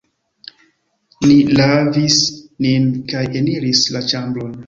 Ni lavis nin kaj eniris la ĉambron.